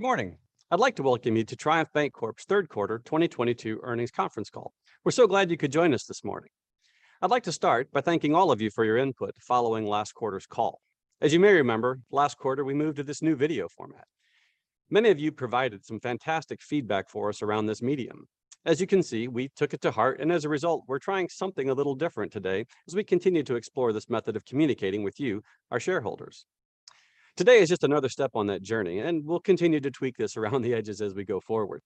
Good morning. I'd like to welcome you to Triumph Bancorp Q3 2022 Earnings Conference Call. We're so glad you could join us this morning. I'd like to start by thanking all of you for your input following last quarter's call. As you may remember, last quarter we moved to this new video format. Many of you provided some fantastic feedback for us around this medium. As you can see, we took it to heart, and as a result, we're trying something a little different today as we continue to explore this method of communicating with you, our shareholders. Today is just another step on that journey, and we'll continue to tweak this around the edges as we go forward.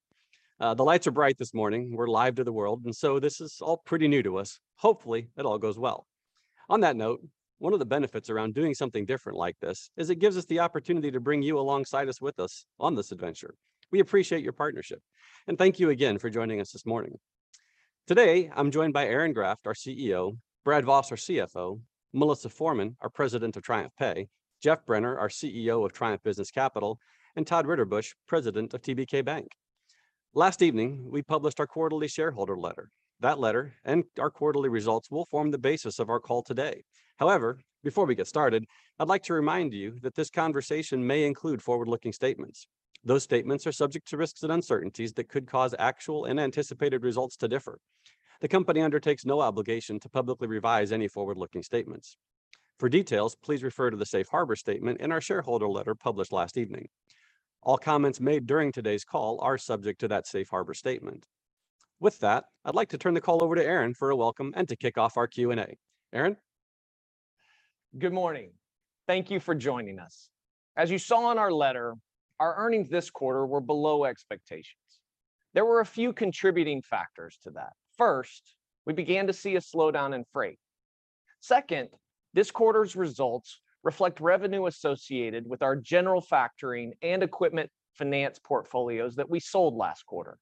The lights are bright this morning. We're live to the world, and so this is all pretty new to us. Hopefully, it all goes well. On that note, one of the benefits around doing something different like this is it gives us the opportunity to bring you alongside us on this adventure. We appreciate your partnership. Thank you again for joining us this morning. Today, I'm joined by Aaron Graft, our CEO, Brad Voss, our CFO, Melissa Forman, our President of TriumphPay, Geoff Brenner, our CEO of Triumph Business Capital, and Todd Ritterbusch, President of TBK Bank. Last evening, we published our quarterly shareholder letter. That letter and our quarterly results will form the basis of our call today. However, before we get started, I'd like to remind you that this conversation may include forward-looking statements. Those statements are subject to risks and uncertainties that could cause actual and anticipated results to differ. The company undertakes no obligation to publicly revise any forward-looking statements. For details, please refer to the safe harbor statement in our shareholder letter published last evening. All comments made during today's call are subject to that safe harbor statement. With that, I'd like to turn the call over to Aaron for a welcome and to kick off our Q&A. Aaron? Good morning. Thank you for joining us. As you saw in our letter, our earnings this quarter were below expectations. There were a few contributing factors to that. First, we began to see a slowdown in freight. Second, this quarter's results reflect revenue associated with our general factoring and equipment finance portfolios that we sold last quarter.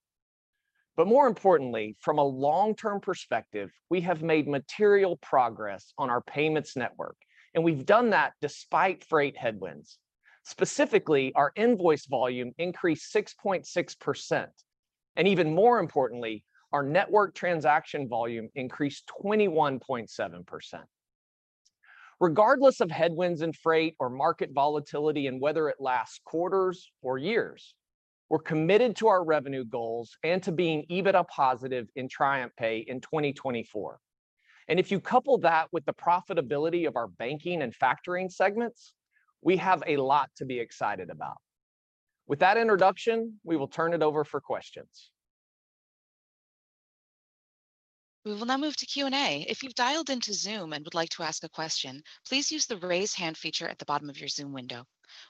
More importantly, from a long-term perspective, we have made material progress on our payments network, and we've done that despite freight headwinds. Specifically, our invoice volume increased 6.6%. Even more importantly, our network transaction volume increased 21.7%. Regardless of headwinds in freight or market volatility and whether it lasts quarters or years, we're committed to our revenue goals and to being EBITDA positive in TriumphPay in 2024. If you couple that with the profitability of our banking and factoring segments, we have a lot to be excited about. With that introduction, we will turn it over for questions. We will now move to Q&A. If you've dialed into Zoom and would like to ask a question, please use the Raise Hand feature at the bottom of your Zoom window.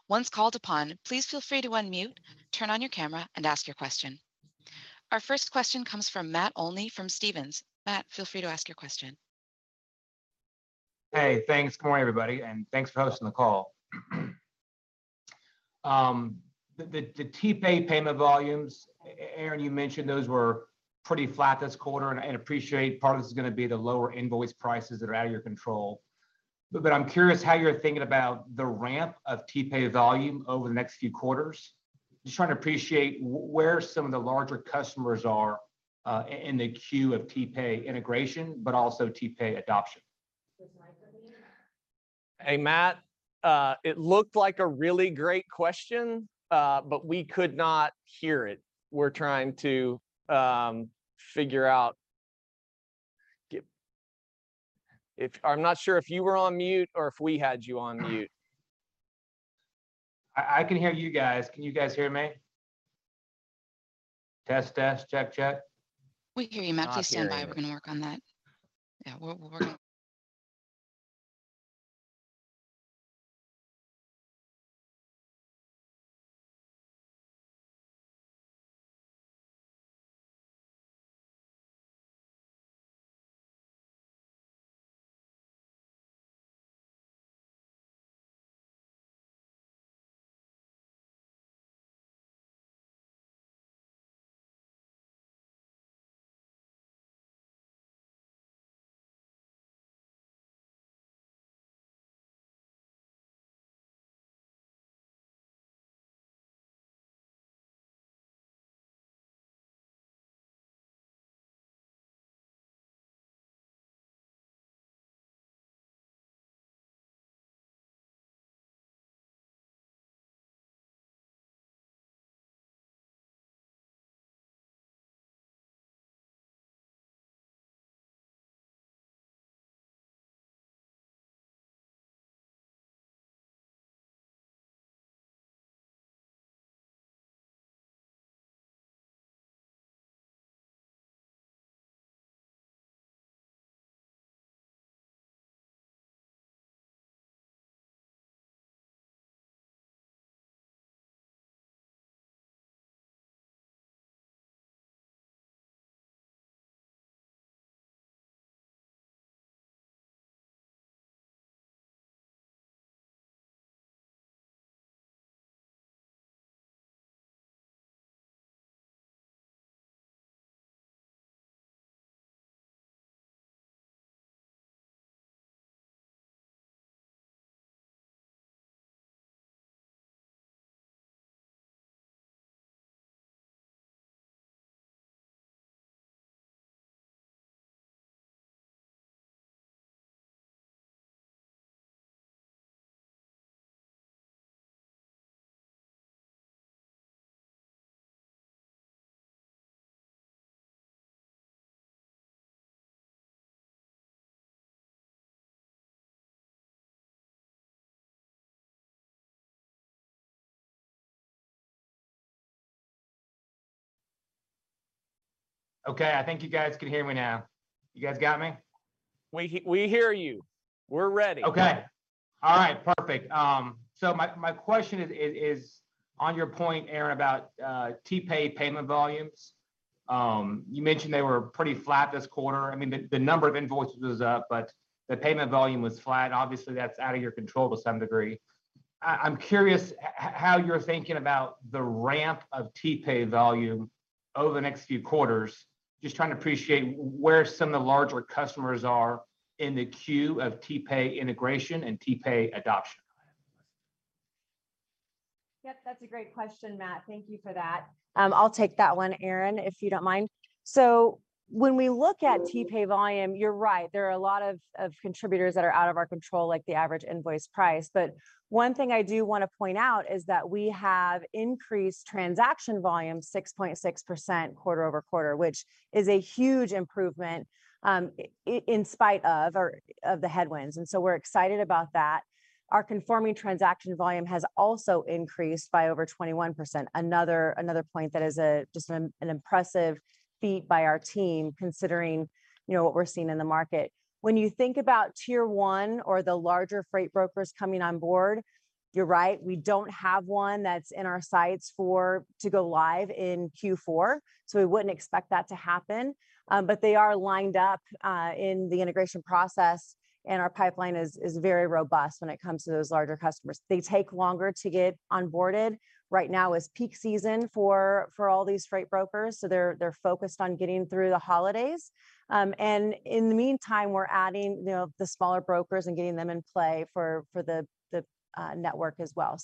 Once called upon, please feel free to unmute, turn on your camera and ask your question. Our first question comes from Matt Olney from Stephens. Matt, feel free to ask your question. Hey, thanks. Good morning, everybody, and thanks for hosting the call. The TPay payment volumes, Aaron, you mentioned those were pretty flat this quarter, and I appreciate part of this is gonna be the lower invoice prices that are out of your control. I'm curious how you're thinking about the ramp of TPay volume over the next few quarters. Just trying to appreciate where some of the larger customers are in the queue of TPay integration, but also TPay adoption. Use the mic again. Hey, Matt. It looked like a really great question, but we could not hear it. We're trying to figure out if you were on mute or if we had you on mute. I can hear you guys. Can you guys hear me? Test, test. Check, check. We hear you, Matt. I hear you. Please stand by. We're gonna work on that. Yeah, we're working. Okay, I think you guys can hear me now. You guys got me? We hear you. We're ready. Okay. All right, perfect. So my question is on your point, Aaron, about TPay payment volumes. You mentioned they were pretty flat this quarter. I mean, the number of invoices was up, but the payment volume was flat. Obviously, that's out of your control to some degree. I'm curious how you're thinking about the ramp of TPay volume over the next few quarters. Just trying to appreciate where some of the larger customers are in the queue of TPay integration and TPay adoption. Yep, that's a great question, Matt. Thank you for that. I'll take that one, Aaron, if you don't mind. When we look at TPay volume, you're right. There are a lot of contributors that are out of our control, like the average invoice price. One thing I do wanna point out is that we have increased transaction volume 6.6% quarter-over-quarter, which is a huge improvement, in spite of the headwinds. We're excited about that. Our conforming transaction volume has also increased by over 21%. Another point that is just an impressive feat by our team, considering, you know, what we're seeing in the market. When you think about tier one or the larger freight brokers coming on board, you're right. We don't have one that's in our sights for to go live in Q4, so we wouldn't expect that to happen. They are lined up in the integration process, and our pipeline is very robust when it comes to those larger customers. They take longer to get onboarded. Right now is peak season for all these freight brokers, they're focused on getting through the holidays. In the meantime, we're adding, you know, the smaller brokers and getting them in play for the network as well.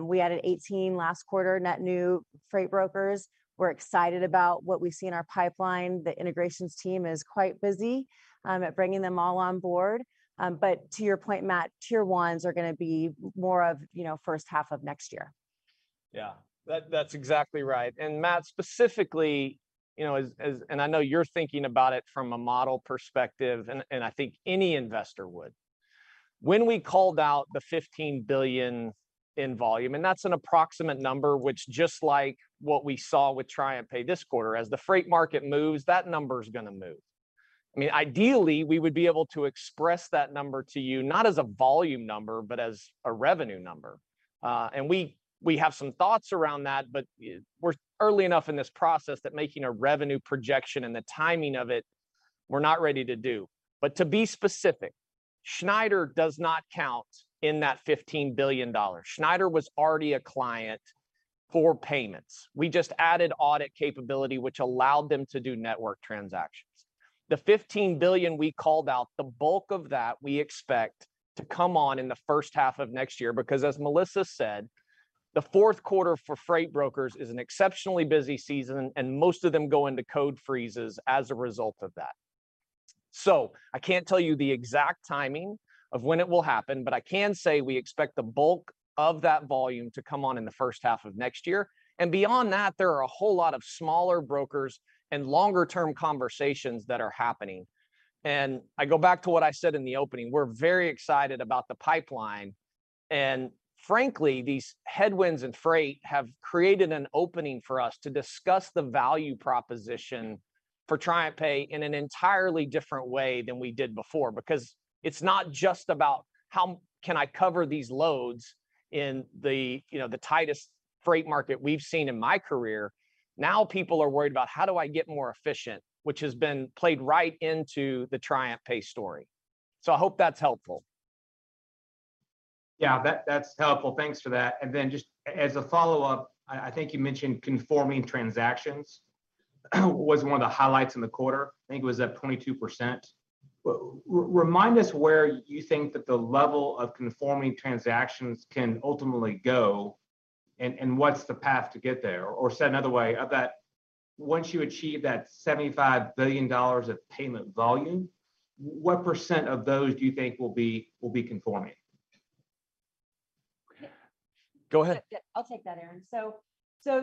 We added 18 last quarter net new freight brokers. We're excited about what we see in our pipeline. The integrations team is quite busy at bringing them all on board. To your point, Matt, tier ones are gonna be more of, you know, first half of next year. Yeah. That's exactly right. Matt, specifically, you know, I know you're thinking about it from a model perspective, and I think any investor would. When we called out the $15 billion in volume, and that's an approximate number, which just like what we saw with TriumphPay this quarter, as the freight market moves, that number's gonna move. I mean, ideally, we would be able to express that number to you not as a volume number, but as a revenue number. We have some thoughts around that, but we're early enough in this process that making a revenue projection and the timing of it, we're not ready to do. To be specific, Schneider does not count in that $15 billion. Schneider was already a client for payments. We just added audit capability, which allowed them to do network transactions. The $15 billion we called out, the bulk of that we expect to come on in the first half of next year, because as Melissa said, the Q4 for freight brokers is an exceptionally busy season, and most of them go into code freezes as a result of that. I can't tell you the exact timing of when it will happen, but I can say we expect the bulk of that volume to come on in the first half of next year. Beyond that, there are a whole lot of smaller brokers and longer-term conversations that are happening. I go back to what I said in the opening. We're very excited about the pipeline. Frankly, these headwinds in freight have created an opening for us to discuss the value proposition for TriumphPay in an entirely different way than we did before. Because it's not just about how can I cover these loads in the, you know, the tightest freight market we've seen in my career. Now people are worried about how do I get more efficient, which has been played right into the TriumphPay story. I hope that's helpful. Yeah. That, that's helpful. Thanks for that. Then just as a follow-up, I think you mentioned conforming transactions was one of the highlights in the quarter. I think it was up 22%. Remind us where you think that the level of conforming transactions can ultimately go, and what's the path to get there? Or said another way, once you achieve that $75 billion of payment volume, what percent of those do you think will be conforming? Go ahead. Yeah. I'll take that, Aaron. So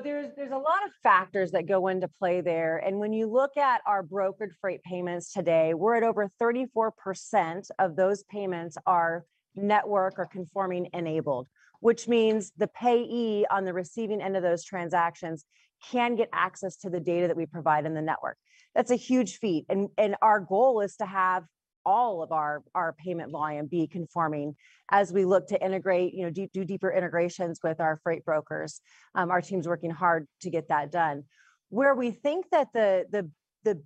there's a lot of factors that go into play there, and when you look at our brokered freight payments today, we're at over 34% of those payments are network or conforming enabled, which means the payee on the receiving end of those transactions can get access to the data that we provide in the network. That's a huge feat. Our goal is to have all of our payment volume be conforming as we look to integrate, you know, do deeper integrations with our freight brokers. Our team's working hard to get that done. Where we think that the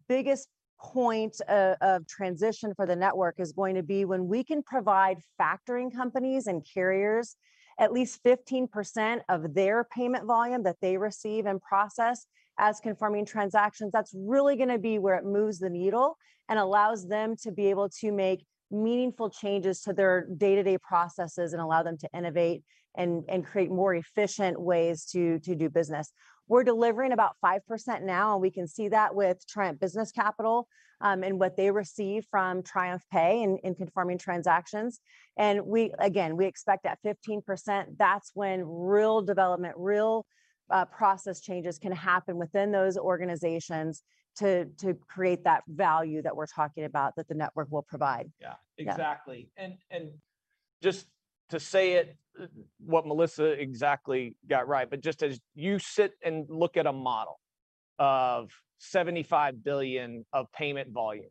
biggest point of transition for the network is going to be when we can provide factoring companies and carriers at least 15% of their payment volume that they receive and process as conforming transactions. That's really gonna be where it moves the needle, and allows them to be able to make meaningful changes to their day-to-day processes, and allow them to innovate and create more efficient ways to do business. We're delivering about 5% now. We can see that with Triumph Business Capital, and what they receive from TriumphPay in conforming transactions. We again expect at 15%, that's when real development, real process changes can happen within those organizations to create that value that we're talking about that the network will provide. Yeah. Yeah. Exactly. Just to say it, what Melissa exactly got right, but just as you sit and look at a model of $75 billion of payment volume,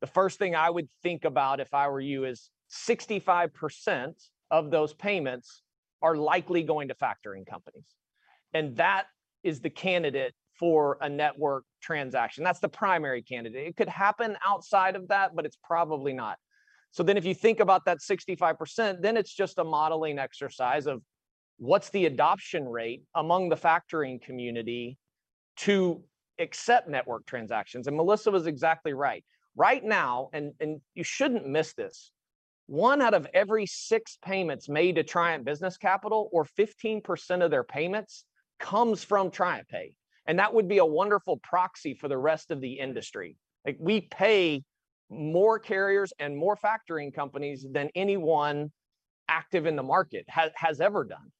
the first thing I would think about if I were you is 65% of those payments are likely going to factoring companies, and that is the candidate for a network transaction. That's the primary candidate. It could happen outside of that, but it's probably not. If you think about that 65%, then it's just a modeling exercise of what's the adoption rate among the factoring community to accept network transactions, and Melissa was exactly right. Right now, and you shouldn't miss this, one out of every six payments made to Triumph Business Capital, or 15% of their payments, comes from TriumphPay, and that would be a wonderful proxy for the rest of the industry. Like, we pay more carriers and more factoring companies than anyone active in the market has ever done.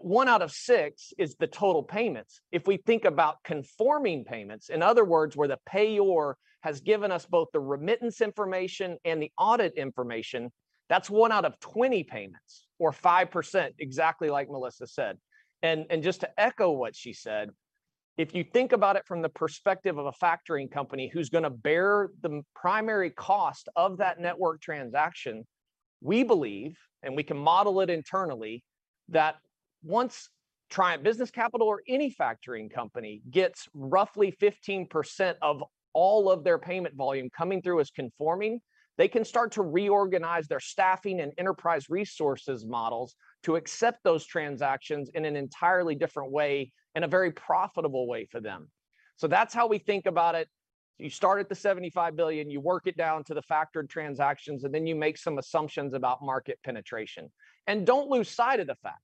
One out of six is the total payments. If we think about conforming payments, in other words, where the payor has given us both the remittance information and the audit information, that's 1/20 payments, or 5%, exactly like Melissa said. Just to echo what she said, if you think about it from the perspective of a factoring company who's gonna bear the primary cost of that network transaction, we believe, and we can model it internally, that once Triumph Business Capital or any factoring company gets roughly 15% of all of their payment volume coming through as conforming, they can start to reorganize their staffing and enterprise resources models to accept those transactions in an entirely different way, and a very profitable way for them. That's how we think about it. You start at the $75 billion, you work it down to the factored transactions, and then you make some assumptions about market penetration. Don't lose sight of the fact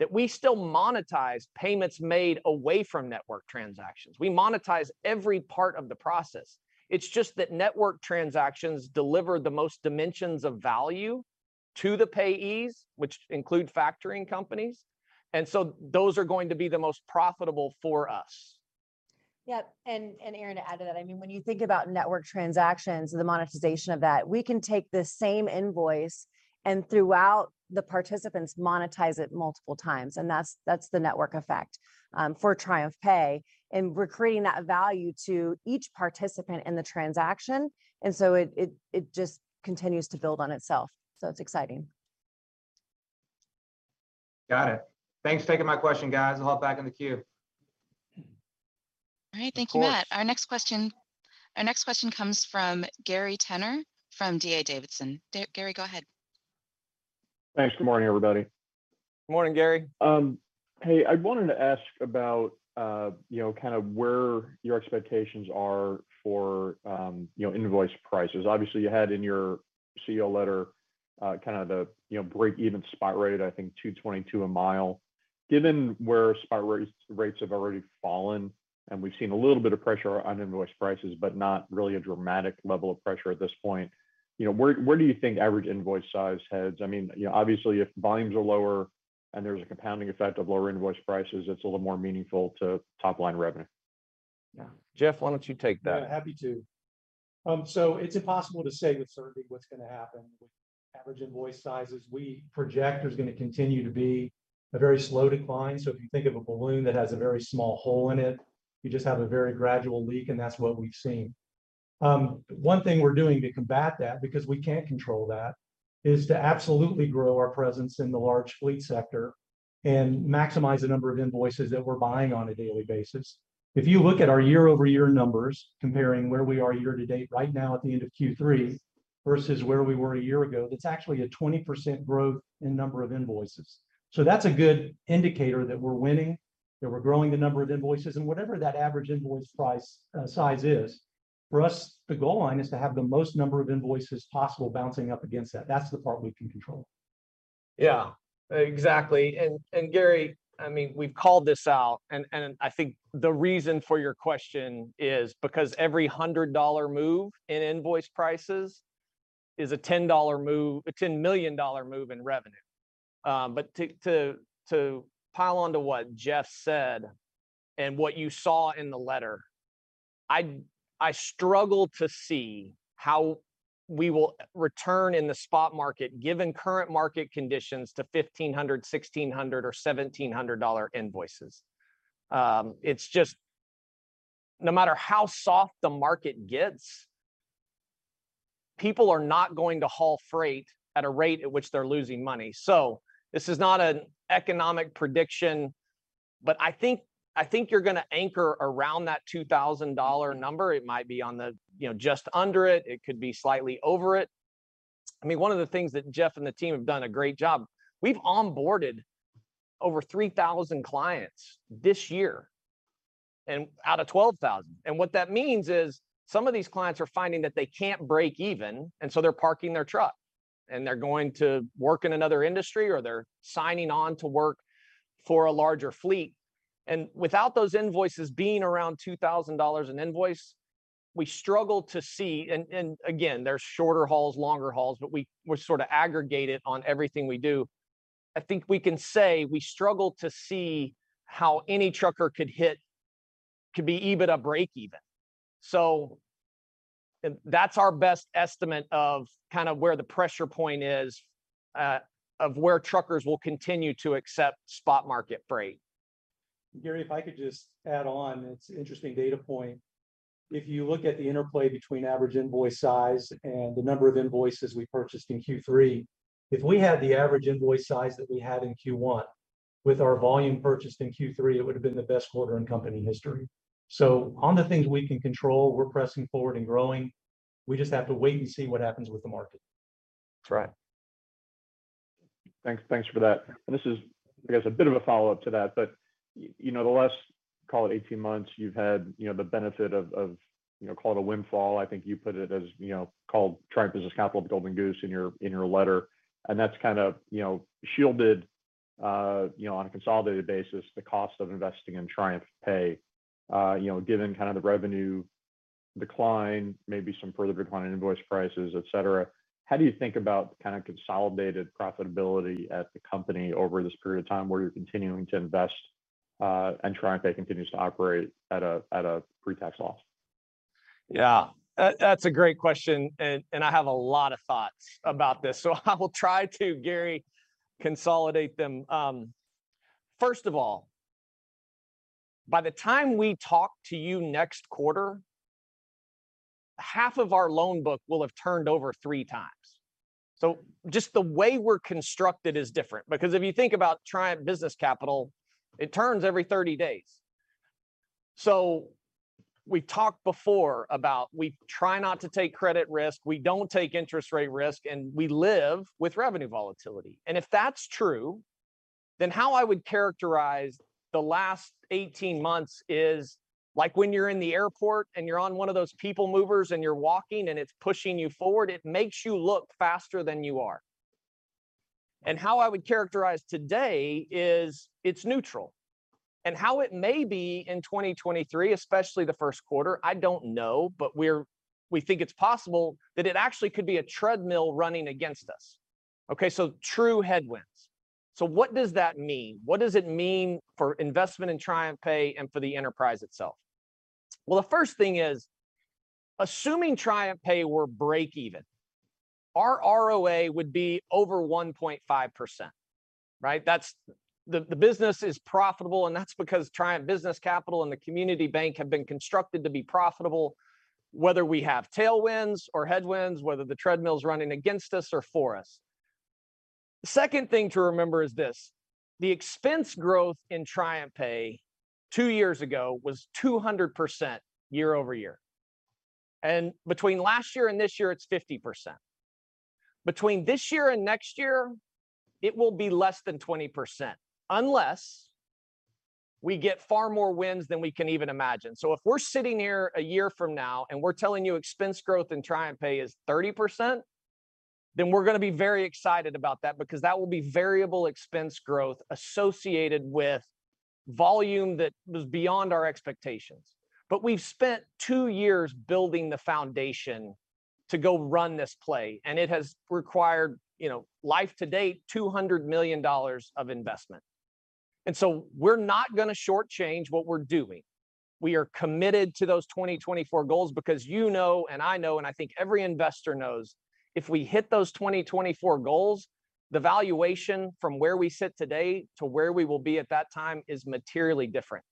that we still monetize payments made away from network transactions. We monetize every part of the process. It's just that network transactions deliver the most dimensions of value to the payees, which include factoring companies. Those are going to be the most profitable for us. Yeah, Aaron, to add to that, I mean, when you think about network transactions and the monetization of that, we can take the same invoice and throughout the participants monetize it multiple times, and that's the network effect for TriumphPay. We're creating that value to each participant in the transaction, and so it just continues to build on itself, so it's exciting. Got it. Thanks for taking my question, guys. I'll hop back in the queue. All right. Thank you, Matt. Of course. Our next question comes from Gary Tenner from D.A. Davidson. Gary, go ahead. Thanks. Good morning, everybody. Morning, Gary. Hey, I wanted to ask about, you know, kind of where your expectations are for, you know, invoice prices. Obviously you had in your CEO letter, kind of the, you know, break-even spot rate, I think $2.22 a mile. Given where spot rates have already fallen, and we've seen a little bit of pressure on invoice prices but not really a dramatic level of pressure at this point, you know, where do you think average invoice size heads? I mean, you know, obviously if volumes are lower, and there's a compounding effect of lower invoice prices, it's a little more meaningful to top-line revenue. Yeah. Geoff, why don't you take that? Yeah, happy to. It's impossible to say with certainty what's gonna happen with average invoice sizes. We project there's gonna continue to be a very slow decline, so if you think of a balloon that has a very small hole in it, you just have a very gradual leak, and that's what we've seen. One thing we're doing to combat that, because we can't control that, is to absolutely grow our presence in the large fleet sector and maximize the number of invoices that we're buying on a daily basis. If you look at our year-over-year numbers, comparing where we are year to date right now at the end of Q3 versus where we were a year ago, that's actually a 20% growth in number of invoices. That's a good indicator that we're winning, that we're growing the number of invoices, and whatever that average invoice price, size is, for us, the goal line is to have the most number of invoices possible bouncing up against that. That's the part we can control. Yeah. Exactly. Gary, I mean, we've called this out, and I think the reason for your question is because every $100 move in invoice prices is a $10 move, a $10 million move in revenue. To pile on to what Geoff said, and what you saw in the letter, I struggle to see how we will return in the spot market given current market conditions to $1,500, $1,600, or $1,700 invoices. It's just no matter how soft the market gets. People are not going to haul freight at a rate at which they're losing money. This is not an economic prediction, but I think you're gonna anchor around that $2,000 number. It might be on the, you know, just under it could be slightly over it. I mean, one of the things that Geoff and the team have done a great job, we've onboarded over 3,000 clients this year and out of 12,000. What that means is some of these clients are finding that they can't break even, and so they're parking their truck, and they're going to work in another industry, or they're signing on to work for a larger fleet. Without those invoices being around $2,000 an invoice, we struggle to see. Again, there's shorter hauls, longer hauls, but we're sorta aggregated on everything we do. I think we can say we struggle to see how any trucker could be even a break-even. That's our best estimate of kind of where the pressure point is, of where truckers will continue to accept spot market freight. Gary, if I could just add on, it's interesting data point. If you look at the interplay between average invoice size and the number of invoices we purchased in Q3, if we had the average invoice size that we had in Q1 with our volume purchased in Q3, it would have been the best quarter in company history. On the things we can control, we're pressing forward and growing. We just have to wait and see what happens with the market. That's right. Thanks. Thanks for that. This is, I guess, a bit of a follow-up to that. You know, the last, call it 18 months, you've had, you know, the benefit of, you know, call it a windfall. I think you put it as, you know, called Triumph Business Capital the golden goose in your letter. That's kind of, you know, shielded, you know, on a consolidated basis, the cost of investing in TriumphPay, you know, given kind of the revenue decline, maybe some further decline in invoice prices, et cetera. How do you think about kind of consolidated profitability at the company over this period of time, where you're continuing to invest, and TriumphPay continues to operate at a pretax loss? Yeah. That's a great question, and I have a lot of thoughts about this, so I will try to, Gary, consolidate them. First of all, by the time we talk to you next quarter, half of our loan book will have turned over 3x. Just the way we're constructed is different because if you think about Triumph Business Capital, it turns every 30 days. We've talked before about we try not to take credit risk, we don't take interest rate risk, and we live with revenue volatility. If that's true, then how I would characterize the last 18 months is like when you're in the airport and you're on one of those people movers and you're walking and it's pushing you forward, it makes you look faster than you are. How I would characterize today is it's neutral. How it may be in 2023, especially the Q1, I don't know, but we think it's possible that it actually could be a treadmill running against us. Okay, true headwinds. What does that mean? What does it mean for investment in TriumphPay and for the enterprise itself? Well, the first thing is, assuming TriumphPay were break even, our ROA would be over 1.5%, right? That's the business is profitable, and that's because Triumph Business Capital and the community bank have been constructed to be profitable, whether we have tailwinds or headwinds, whether the treadmill is running against us or for us. The second thing to remember is this, the expense growth in TriumphPay two years ago was 200% year-over-year. Between last year and this year, it's 50%. Between this year and next year, it will be less than 20%, unless we get far more wins than we can even imagine. If we're sitting here a year from now and we're telling you expense growth in TriumphPay is 30%, then we're gonna be very excited about that because that will be variable expense growth associated with volume that was beyond our expectations. We've spent two years building the foundation to go run this play, and it has required, you know, life to date, $200 million of investment. We're not gonna shortchange what we're doing. We are committed to those 2024 goals because you know and I know, and I think every investor knows, if we hit those 2024 goals, the valuation from where we sit today to where we will be at that time is materially different.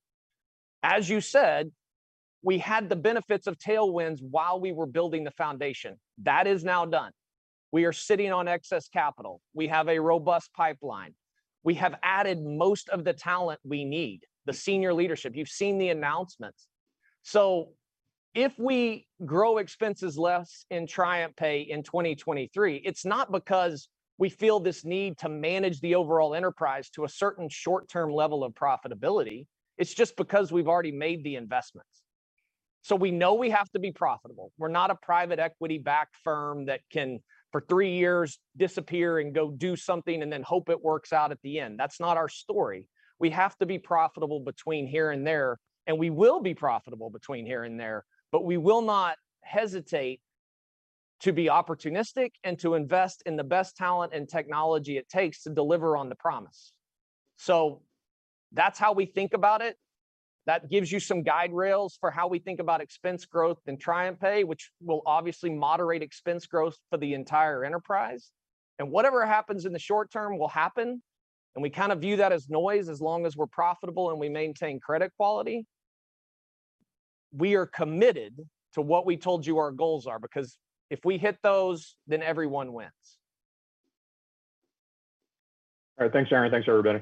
As you said, we had the benefits of tailwinds while we were building the foundation. That is now done. We are sitting on excess capital. We have a robust pipeline. We have added most of the talent we need, the senior leadership. You've seen the announcements. If we grow expenses less in TriumphPay in 2023, it's not because we feel this need to manage the overall enterprise to a certain short-term level of profitability, it's just because we've already made the investments. We know we have to be profitable. We're not a private equity-backed firm that can, for three years, disappear and go do something and then hope it works out at the end. That's not our story. We have to be profitable between here and there, and we will be profitable between here and there, but we will not hesitate to be opportunistic and to invest in the best talent and technology it takes to deliver on the promise. That's how we think about it. That gives you some guide rails for how we think about expense growth in TriumphPay, which will obviously moderate expense growth for the entire enterprise. Whatever happens in the short term will happen, and we kind of view that as noise as long as we're profitable and we maintain credit quality. We are committed to what we told you our goals are because if we hit those, then everyone wins. All right, thanks, Aaron. Thanks, everybody.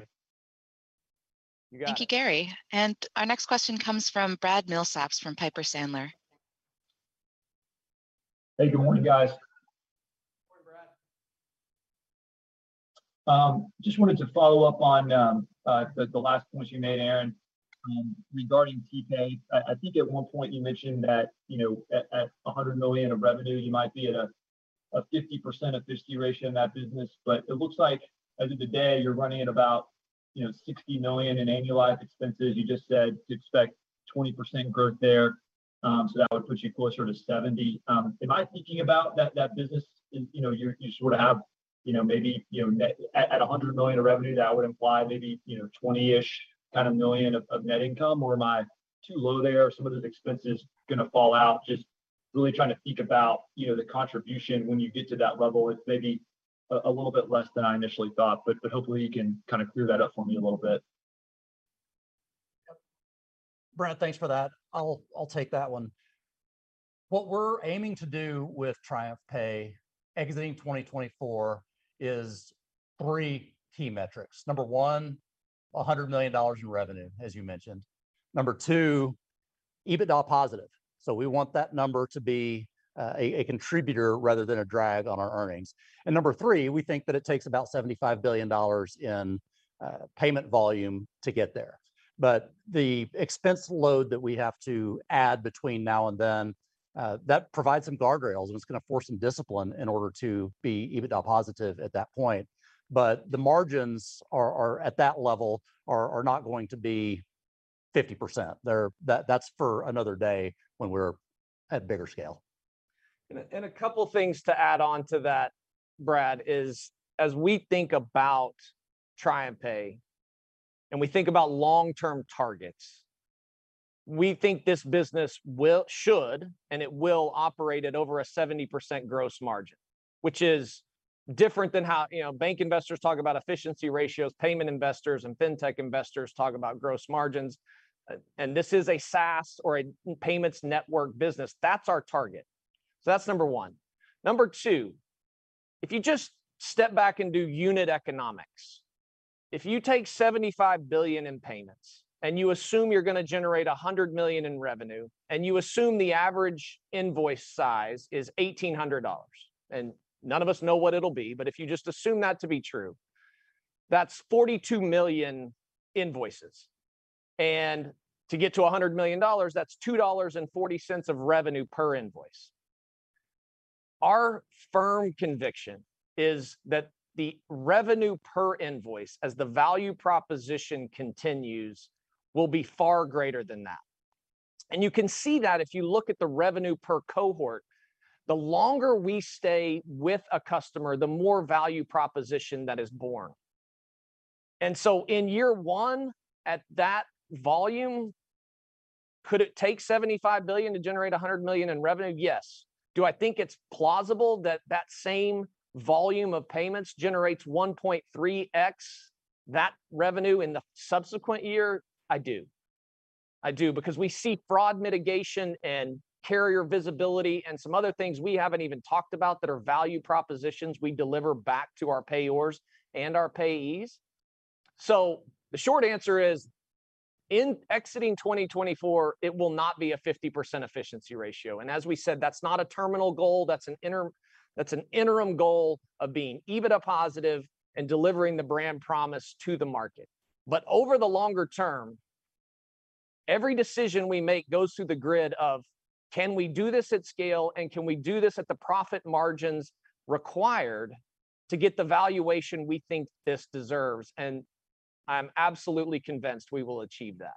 You got it. Thank you, Gary. Our next question comes from Brad Milsaps from Piper Sandler. Hey, good morning, guys. Good morning, Brad. Just wanted to follow up on the last points you made, Aaron, regarding TPay. I think at one point you mentioned that, you know, at a $100 million of revenue, you might be at a 50% efficiency ratio in that business. It looks like as of today, you're running at about, you know, $60 million in annualized expenses. You just said to expect 20% growth there, so that would put you closer to 70%. Am I thinking about that business in, you know, you sort of have, you know, maybe, you know, net at a $100 million of revenue that would imply maybe, you know, 20-ish kind of million of net income, or am I too low there? Are some of those expenses gonna fall out? Just really trying to think about, you know, the contribution when you get to that level. It's maybe a little bit less than I initially thought, but hopefully you can kinda clear that up for me a little bit. Yep. Brad, thanks for that. I'll take that one. What we're aiming to do with TriumphPay exiting 2024 is three key metrics. Number one, $100 million in revenue, as you mentioned. Number two, EBITDA positive. We want that number to be a contributor rather than a drag on our earnings. Number three, we think that it takes about $75 billion in payment volume to get there. The expense load that we have to add between now and then that provides some guardrails, and it's gonna force some discipline in order to be EBITDA positive at that point. The margins, at that level, are not going to be 50%. They're. That's for another day when we're at bigger scale. A couple things to add on to that, Brad, is as we think about TriumphPay and we think about long-term targets, we think this business will operate at over a 70% gross margin, which is different than how, you know, bank investors talk about efficiency ratios, payment investors and fintech investors talk about gross margins. This is a SaaS or a payments network business. That's our target. That's number one. Number two, if you just step back and do unit economics, if you take $75 billion in payments and you assume you're gonna generate $100 million in revenue, and you assume the average invoice size is $1,800, and none of us know what it'll be, but if you just assume that to be true, that's 42 million invoices. To get to $100 million, that's $2.40 of revenue per invoice. Our firm conviction is that the revenue per invoice, as the value proposition continues, will be far greater than that. You can see that if you look at the revenue per cohort. The longer we stay with a customer, the more value proposition that is born. In year one at that volume, could it take $75 billion to generate $100 million in revenue? Yes. Do I think it's plausible that that same volume of payments generates 1.3x that revenue in the subsequent year? I do. I do because we see fraud mitigation and carrier visibility and some other things we haven't even talked about that are value propositions we deliver back to our payors and our payees. The short answer is, in exiting 2024, it will not be a 50% efficiency ratio. That's not a terminal goal, that's an interim goal of being EBITDA positive and delivering the brand promise to the market. Over the longer term, every decision we make goes through the grid of, can we do this at scale, and can we do this at the profit margins required to get the valuation we think this deserves? I'm absolutely convinced we will achieve that.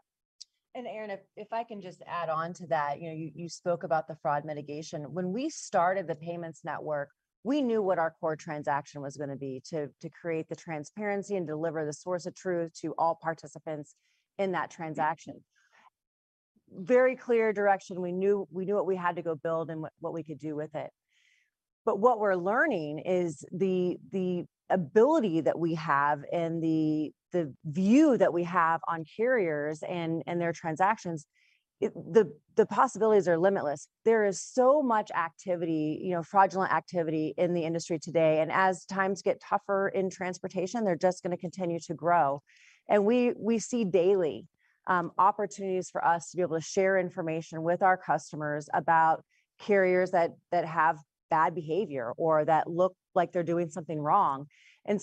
Aaron, if I can just add on to that. You know, you spoke about the fraud mitigation. When we started the payments network, we knew what our core transaction was gonna be, to create the transparency and deliver the source of truth to all participants in that transaction. Very clear direction. We knew what we had to go build and what we could do with it. But what we're learning is the ability that we have and the view that we have on carriers and their transactions, the possibilities are limitless. There is so much activity, you know, fraudulent activity in the industry today. As times get tougher in transportation, they're just gonna continue to grow. We see daily opportunities for us to be able to share information with our customers about carriers that have bad behavior or that look like they're doing something wrong.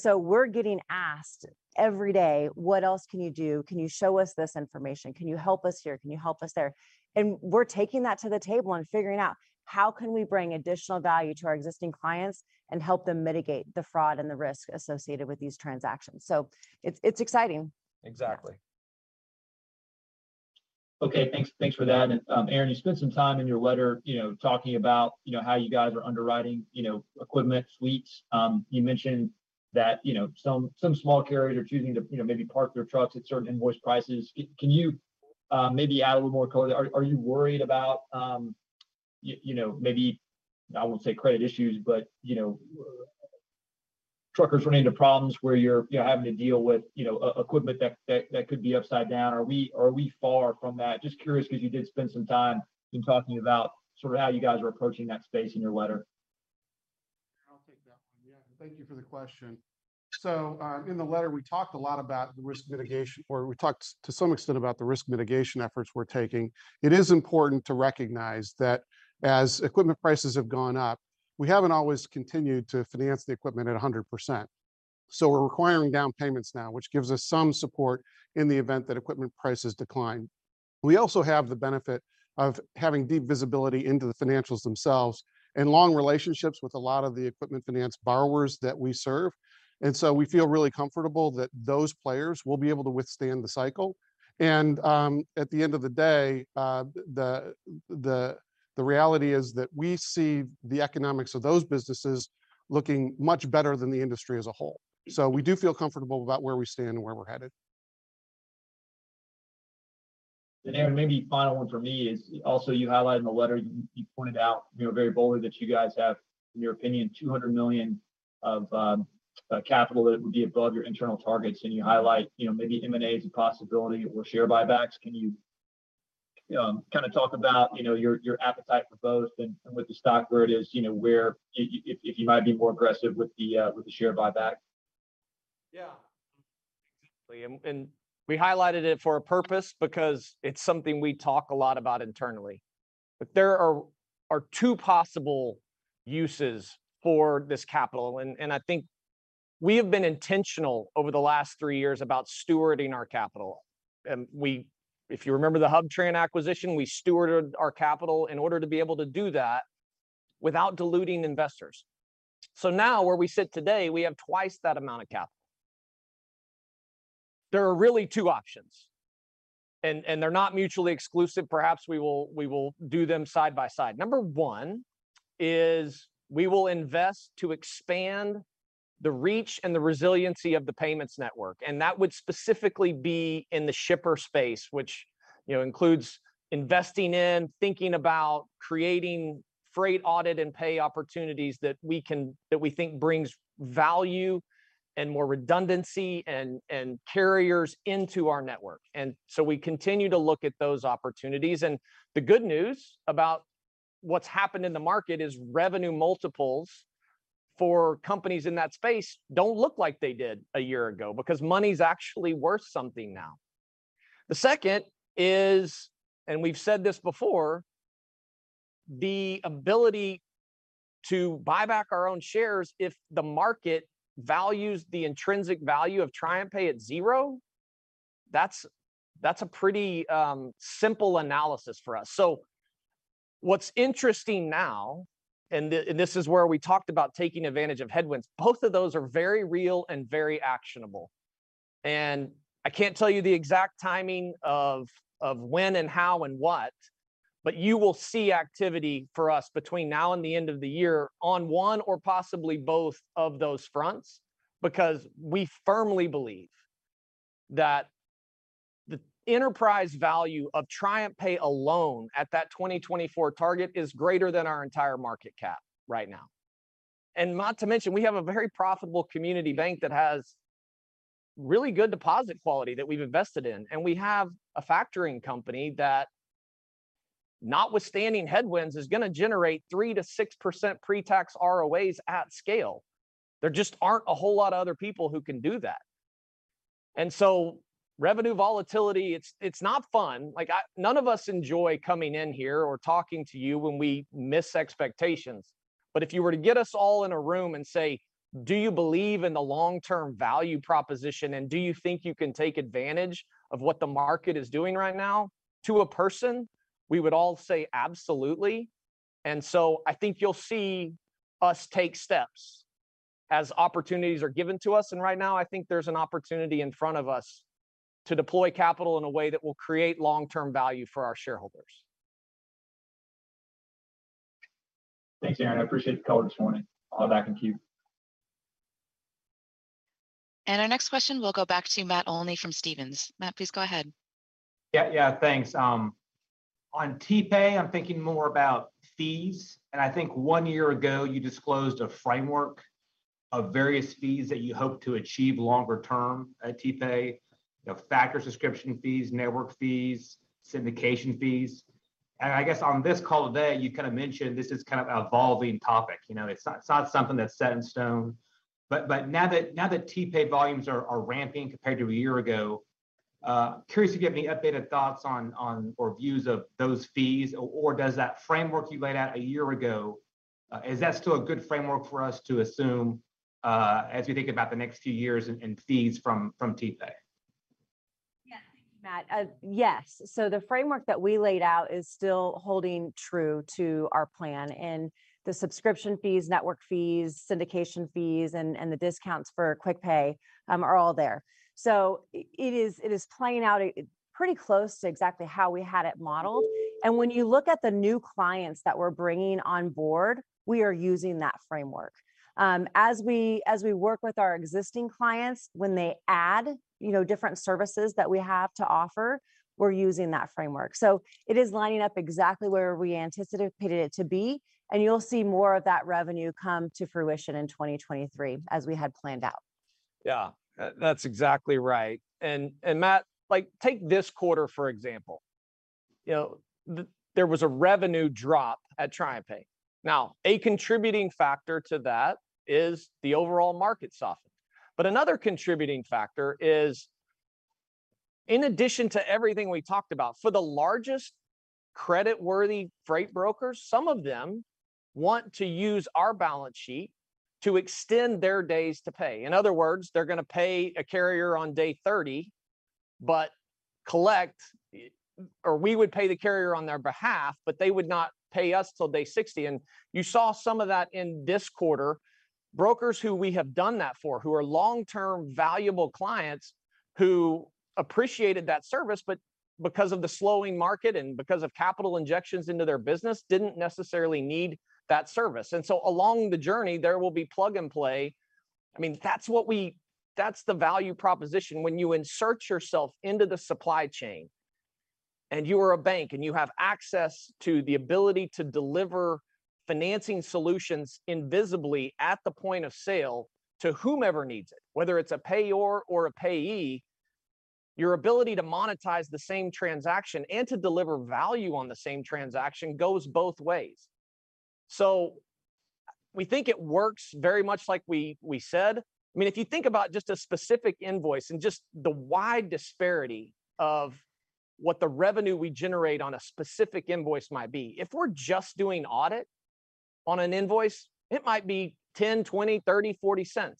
We're getting asked every day, "What else can you do? Can you show us this information? Can you help us here? Can you help us there?" We're taking that to the table and figuring out how can we bring additional value to our existing clients and help them mitigate the fraud and the risk associated with these transactions? It's exciting. Exactly. Okay, thanks. Thanks for that. Aaron, you spent some time in your letter, you know, talking about, you know, how you guys are underwriting, you know, equipment suites. You mentioned that, you know, some small carriers are choosing to, you know, maybe park their trucks at certain invoice prices. Can you maybe add a little more color? Are you worried about, you know, maybe I won't say credit issues, but, you know? Truckers run into problems where you're, you know, having to deal with, you know, equipment that could be upside down. Are we far from that? Just curious because you did spend some time in talking about sort of how you guys are approaching that space in your letter. I'll take that one. Yeah. Thank you for the question. In the letter, we talked a lot about the risk mitigation, or we talked to some extent about the risk mitigation efforts we're taking. It is important to recognize that as equipment prices have gone up, we haven't always continued to finance the equipment at 100%. We're requiring down payments now, which gives us some support in the event that equipment prices decline. We also have the benefit of having deep visibility into the financials themselves and long relationships with a lot of the equipment finance borrowers that we serve. We feel really comfortable that those players will be able to withstand the cycle. At the end of the day, the reality is that we see the economics of those businesses looking much better than the industry as a whole. We do feel comfortable about where we stand and where we're headed. Aaron, maybe final one for me is also you highlighted in the letter, you pointed out, you know, very boldly that you guys have, in your opinion, $200 million of capital that would be above your internal targets. You highlight, you know, maybe M&A is a possibility or share buybacks. Can you kind of talk about, you know, your appetite for both and with the stock where it is, you know, where you if you might be more aggressive with the share buyback? Yeah. Exactly. We highlighted it for a purpose because it's something we talk a lot about internally. There are two possible uses for this capital. I think we have been intentional over the last three years about stewarding our capital. If you remember the HubTran acquisition, we stewarded our capital in order to be able to do that without diluting investors. Now, where we sit today, we have twice that amount of capital. There are really two options, and they're not mutually exclusive. Perhaps we will do them side by side. Number one is we will invest to expand the reach and the resiliency of the payments network, and that would specifically be in the shipper space, which, you know, includes investing in, thinking about creating freight audit and pay opportunities that we think brings value and more redundancy and carriers into our network. We continue to look at those opportunities. The good news about what's happened in the market is revenue multiples for companies in that space don't look like they did a year ago because money's actually worth something now. The second is, and we've said this before, the ability to buy back our own shares if the market values the intrinsic value of TriumphPay at zero, that's a pretty, simple analysis for us. What's interesting now, and this is where we talked about taking advantage of headwinds, both of those are very real and very actionable. I can't tell you the exact timing of when and how and what, but you will see activity for us between now and the end of the year on one or possibly both of those fronts because we firmly believe that the enterprise value of TriumphPay alone at that 2024 target is greater than our entire market cap right now. Not to mention, we have a very profitable community bank that has really good deposit quality that we've invested in, and we have a factoring company that notwithstanding headwinds is gonna generate 3%-6% pretax ROAs at scale. There just aren't a whole lot of other people who can do that. Revenue volatility, it's not fun. Like none of us enjoy coming in here or talking to you when we miss expectations. If you were to get us all in a room and say, "Do you believe in the long-term value proposition, and do you think you can take advantage of what the market is doing right now?" To a person, we would all say, "Absolutely." I think you'll see us take steps as opportunities are given to us, and right now I think there's an opportunity in front of us to deploy capital in a way that will create long-term value for our shareholders. Thanks, Aaron. I appreciate the call this morning. I'll hand it back in queue. Our next question will go back to Matt Olney from Stephens. Matt, please go ahead. Yeah, thanks. On TPay, I'm thinking more about fees, and I think one year ago you disclosed a framework of various fees that you hope to achieve longer term at TPay. You know, factor subscription fees, network fees, syndication fees. I guess on this call today, you kind of mentioned this is kind of an evolving topic. You know, it's not something that's set in stone. But now that TPay volumes are ramping compared to a year ago, curious if you have any updated thoughts on or views of those fees or does that framework you laid out a year ago is that still a good framework for us to assume as we think about the next few years and fees from TPay? Yeah. Matt, yes. The framework that we laid out is still holding true to our plan, and the subscription fees, network fees, syndication fees, and the discounts for QuickPay are all there. It is playing out pretty close to exactly how we had it modeled. When you look at the new clients that we're bringing on board, we are using that framework. As we work with our existing clients, when they add, you know, different services that we have to offer, we're using that framework. It is lining up exactly where we anticipated it to be, and you'll see more of that revenue come to fruition in 2023 as we had planned out. Yeah. That's exactly right. Matt, like, take this quarter, for example. You know, there was a revenue drop at TriumphPay. Now, a contributing factor to that is the overall market softened. Another contributing factor is in addition to everything we talked about, for the largest credit-worthy freight brokers, some of them want to use our balance sheet to extend their days to pay. In other words, they're gonna pay a carrier on day 30, or we would pay the carrier on their behalf, but they would not pay us till day 60. You saw some of that in this quarter. Brokers who we have done that for, who are long-term valuable clients who appreciated that service, but because of the slowing market and because of capital injections into their business, didn't necessarily need that service. Along the journey, there will be plug-and-play. I mean, that's the value proposition when you insert yourself into the supply chain, and you are a bank, and you have access to the ability to deliver financing solutions invisibly at the point of sale to whomever needs it, whether it's a payor or a payee, your ability to monetize the same transaction and to deliver value on the same transaction goes both ways. We think it works very much like we said. I mean, if you think about just a specific invoice and just the wide disparity of what the revenue we generate on a specific invoice might be, if we're just doing audit on an invoice, it might be $0.10, $0.20, $0.30, $0.40.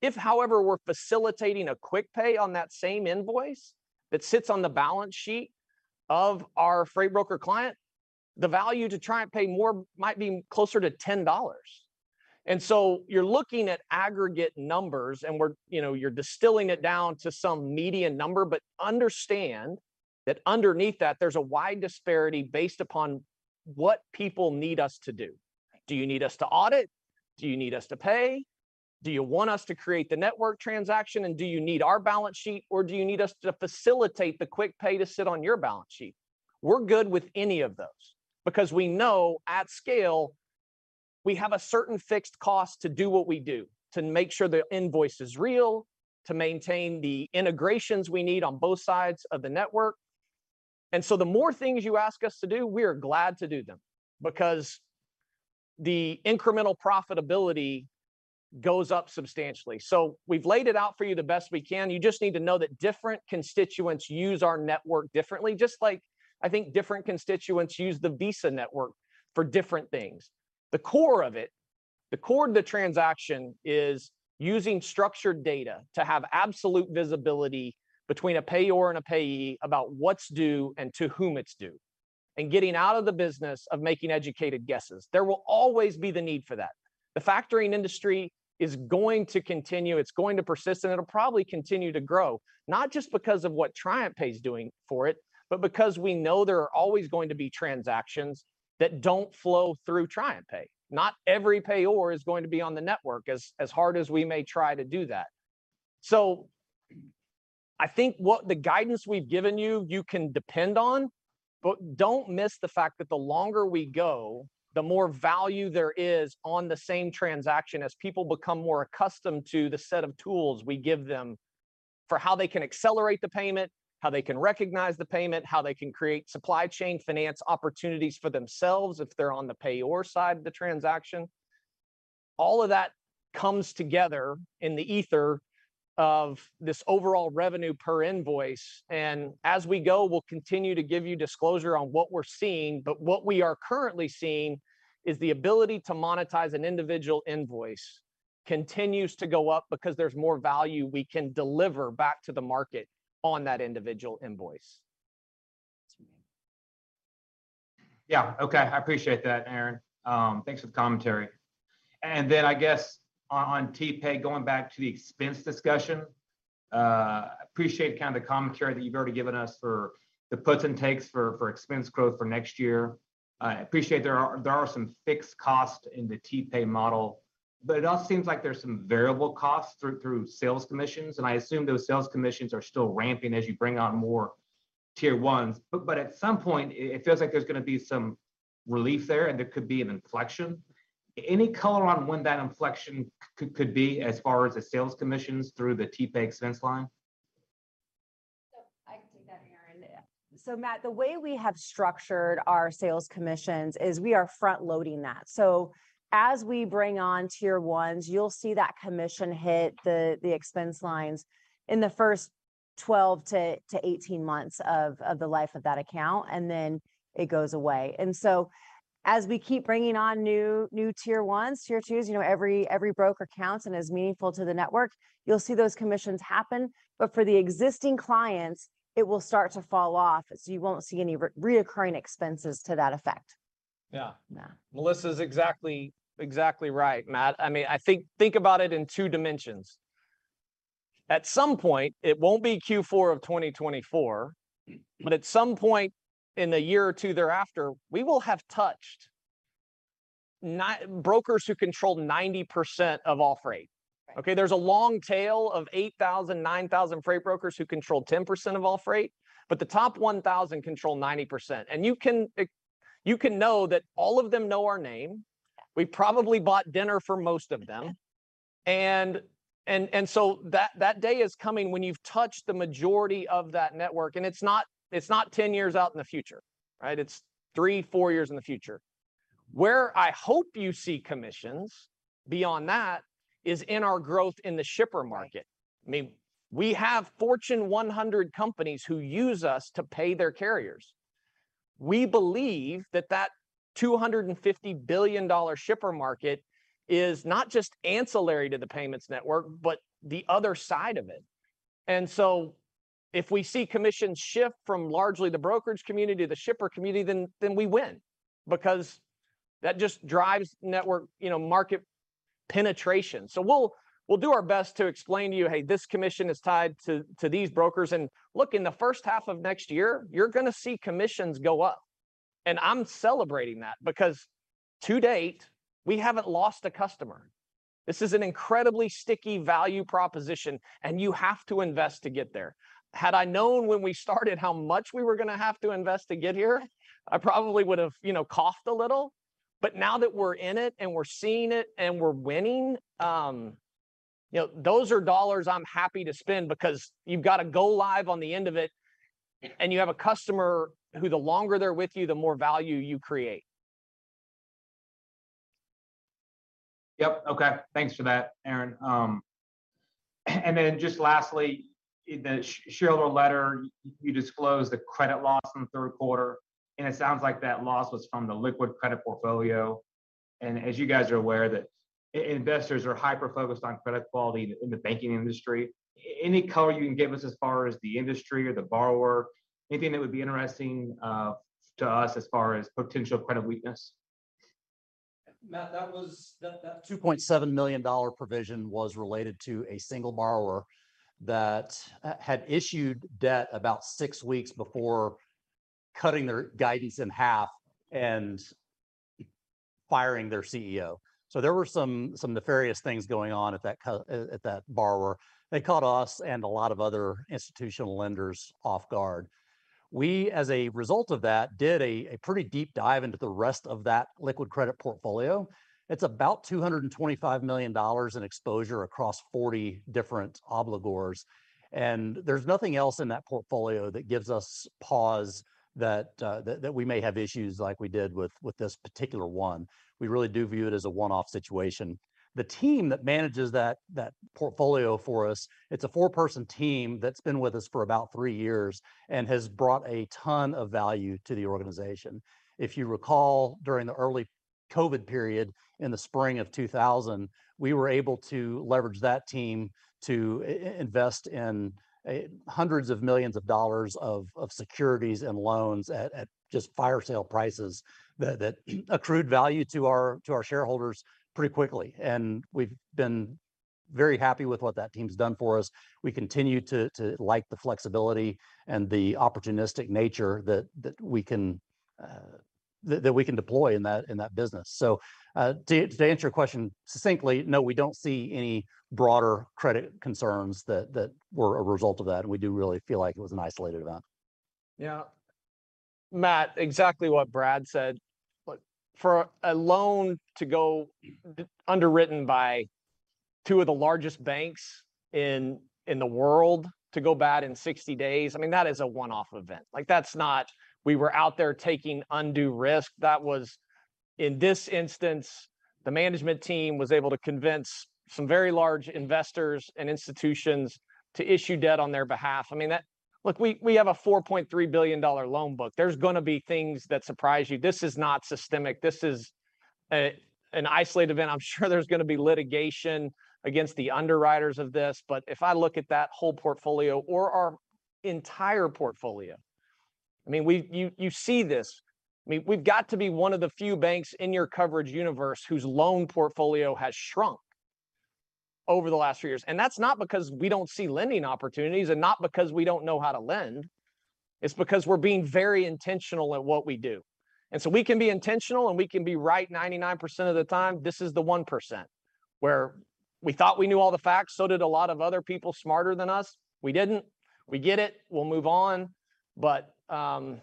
If, however, we're facilitating a QuickPay on that same invoice that sits on the balance sheet of our freight broker client, the value to TriumphPay more might be closer to $10. You're looking at aggregate numbers, and we're, you know, you're distilling it down to some median number, but understand that underneath that, there's a wide disparity based upon what people need us to do. Do you need us to audit? Do you need us to pay? Do you want us to create the network transaction, and do you need our balance sheet, or do you need us to facilitate the QuickPay to sit on your balance sheet? We're good with any of those because we know at scale, we have a certain fixed cost to do what we do, to make sure the invoice is real, to maintain the integrations we need on both sides of the network. The more things you ask us to do, we are glad to do them because the incremental profitability goes up substantially. We've laid it out for you the best we can. You just need to know that different constituents use our network differently, just like I think different constituents use the Visa network for different things. The core of it, the core of the transaction is using structured data to have absolute visibility between a payor and a payee about what's due and to whom it's due, and getting out of the business of making educated guesses. There will always be the need for that. The factoring industry is going to continue, it's going to persist, and it'll probably continue to grow, not just because of what TriumphPay is doing for it, but because we know there are always going to be transactions that don't flow through TriumphPay. Not every payor is going to be on the network as hard as we may try to do that. I think what the guidance we've given you can depend on, but don't miss the fact that the longer we go, the more value there is on the same transaction as people become more accustomed to the set of tools we give them for how they can accelerate the payment, how they can recognize the payment, how they can create supply chain finance opportunities for themselves if they're on the payor side of the transaction. All of that comes together in the ether of this overall revenue per invoice. As we go, we'll continue to give you disclosure on what we're seeing. What we are currently seeing is the ability to monetize an individual invoice continues to go up because there's more value we can deliver back to the market on that individual invoice. Yeah. Okay. I appreciate that, Aaron. Thanks for the commentary. I guess on TPay, going back to the expense discussion, appreciate kinda the commentary that you've already given us for the puts and takes for expense growth for next year. I appreciate there are some fixed costs in the TPay model, but it all seems like there's some variable costs through sales commissions, and I assume those sales commissions are still ramping as you bring on more tier ones. But at some point, it feels like there's gonna be some relief there, and there could be an inflection. Any color on when that inflection could be as far as the sales commissions through the TPay expense line? I can take that, Aaron. Yeah. Matt, the way we have structured our sales commissions is we are front-loading that. As we bring on tier ones, you'll see that commission hit the expense lines in the first 12 months-18 months of the life of that account, and then it goes away. As we keep bringing on new tier ones, tier twos, you know, every broker counts and is meaningful to the network, you'll see those commissions happen. For the existing clients, it will start to fall off, so you won't see any recurring expenses to that effect. Yeah. Yeah. Melissa is exactly right, Matt. I mean, I think about it in two dimensions. At some point, it won't be Q4 of 2024. Mm-hmm... at some point in the year or two thereafter, we will have touched brokers who control 90% of all freight. Right. Okay? There's a long tail of 8,000, 9,000 freight brokers who control 10% of all freight, but the top 1,000 control 90%. You can know that all of them know our name. We probably bought dinner for most of them. So that day is coming when you've touched the majority of that network, and it's not ten years out in the future, right? It's three, four years in the future. Where I hope you see commissions beyond that is in our growth in the shipper market. I mean, we have Fortune 100 companies who use us to pay their carriers. We believe that $250 billion shipper market is not just ancillary to the payments network, but the other side of it. If we see commissions shift from largely the brokerage community to the shipper community then we win, because that just drives network, you know, market penetration. We'll do our best to explain to you, "Hey, this commission is tied to these brokers." Look, in the first half of next year, you're gonna see commissions go up. I'm celebrating that because to date we haven't lost a customer. This is an incredibly sticky value proposition, and you have to invest to get there. Had I known when we started how much we were gonna have to invest to get here, I probably would've, you know, coughed a little. Now that we're in it and we're seeing it and we're winning, you know, those are dollars I'm happy to spend because you've got to go live on the end of it, and you have a customer who the longer they're with you, the more value you create. Yep. Okay. Thanks for that, Aaron. Just lastly, in the shareholder letter, you disclosed a credit loss in the Q3, and it sounds like that loss was from the liquid credit portfolio. As you guys are aware that investors are hyper-focused on credit quality in the banking industry, any color you can give us as far as the industry or the borrower, anything that would be interesting to us as far as potential credit weakness? Matt, that $2.7 million provision was related to a single borrower that had issued debt about six weeks before cutting their guidance in half and firing their CEO. There were some nefarious things going on at that borrower. They caught us and a lot of other institutional lenders off-guard. We, as a result of that, did a pretty deep dive into the rest of that liquid credit portfolio. It's about $225 million in exposure across 40 different obligors. There's nothing else in that portfolio that gives us pause that we may have issues like we did with this particular one. We really do view it as a one-off situation. The team that manages that portfolio for us, it's a four-person team that's been with us for about three years and has brought a ton of value to the organization. If you recall, during the early COVID period in the spring of 2020, we were able to leverage that team to invest in hundreds of millions of dollars of securities and loans at just fire sale prices that accrued value to our shareholders pretty quickly. We've been very happy with what that team's done for us. We continue to like the flexibility and the opportunistic nature that we can deploy in that business. To answer your question succinctly, no, we don't see any broader credit concerns that were a result of that. We do really feel like it was an isolated event. Yeah. Matt, exactly what Brad said. Look, for a loan to go underwritten by two of the largest banks in the world to go bad in 60 days, I mean, that is a one-off event. Like, that's not we were out there taking undue risk. That was, in this instance, the management team was able to convince some very large investors and institutions to issue debt on their behalf. I mean, that. Look, we have a $4.3 billion loan book. There's gonna be things that surprise you. This is not systemic. This is an isolated event. I'm sure there's gonna be litigation against the underwriters of this. If I look at that whole portfolio or our entire portfolio, I mean, you see this. I mean, we've got to be one of the few banks in your coverage universe whose loan portfolio has shrunk over the last few years. That's not because we don't see lending opportunities and not because we don't know how to lend. It's because we're being very intentional at what we do. We can be intentional, and we can be right 99% of the time. This is the 1% where we thought we knew all the facts. Did a lot of other people smarter than us. We didn't. We get it. We'll move on. I'd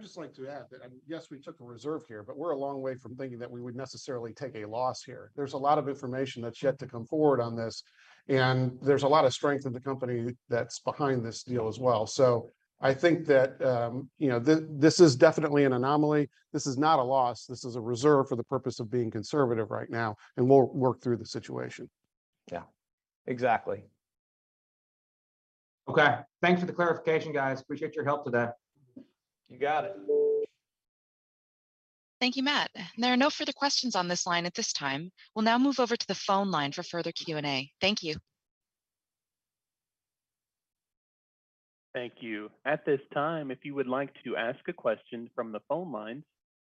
just like to add that, yes, we took a reserve here, but we're a long way from thinking that we would necessarily take a loss here. There's a lot of information that's yet to come forward on this, and there's a lot of strength in the company that's behind this deal as well. I think that, you know, this is definitely an anomaly. This is not a loss. This is a reserve for the purpose of being conservative right now, and we'll work through the situation. Yeah. Exactly. Okay. Thank you for the clarification, guys. Appreciate your help today. You got it. Thank you, Matt. There are no further questions on this line at this time. We'll now move over to the phone line for further Q&A. Thank you. Thank you. At this time, if you would like to ask a question from the phone lines,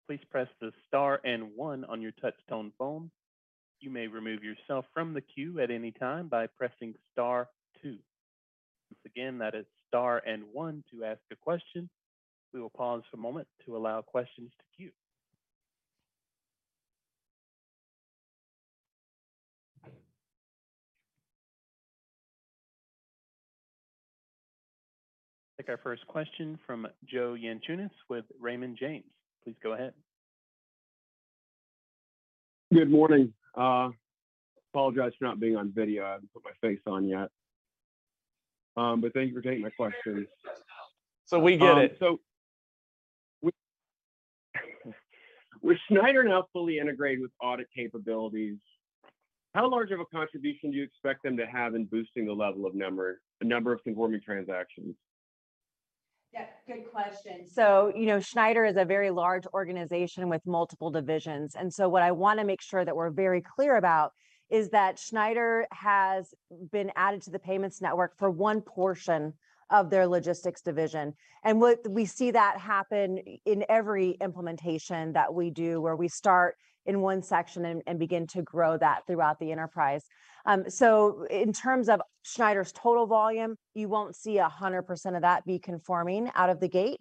please press the star and one on your touch tone phone. You may remove yourself from the queue at any time by pressing star two. Once again, that is star and one to ask a question. We will pause for a moment to allow questions to queue. Take our first question from Joe Yanchunis with Raymond James. Please go ahead. Good morning. Apologize for not being on video. I haven't put my face on yet. Thank you for taking my questions. We get it. With Schneider now fully integrated with audit capabilities, how large of a contribution do you expect them to have in boosting the number of conforming transactions? Yeah, good question. You know, Schneider is a very large organization with multiple divisions. What I wanna make sure that we're very clear about is that Schneider has been added to the payments network for one portion of their logistics division. We see that happen in every implementation that we do, where we start in one section and begin to grow that throughout the enterprise. In terms of Schneider's total volume, you won't see 100% of that be conforming out of the gate.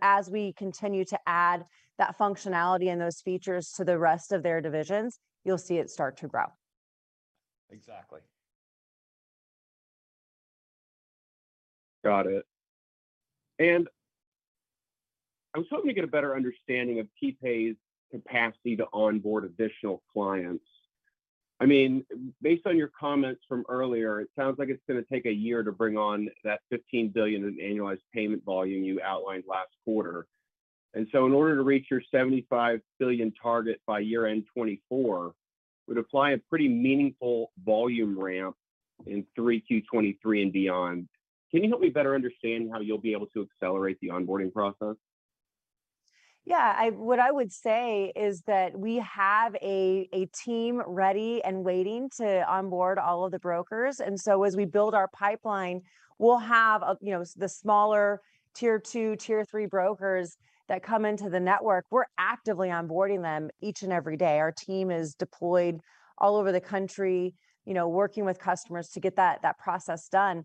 As we continue to add that functionality and those features to the rest of their divisions, you'll see it start to grow. Exactly. Got it. I was hoping to get a better understanding of TPay's capacity to onboard additional clients. I mean, based on your comments from earlier, it sounds like it's gonna take a year to bring on that $15 billion in annualized payment volume you outlined last quarter. In order to reach your $75 billion target by year-end 2024, would apply a pretty meaningful volume ramp in Q3 2023 and beyond. Can you help me better understand how you'll be able to accelerate the onboarding process? Yeah, what I would say is that we have a team ready and waiting to onboard all of the brokers. As we build our pipeline, we'll have you know, the smaller tier two, tier three brokers that come into the network. We're actively onboarding them each and every day. Our team is deployed all over the country, you know, working with customers to get that process done.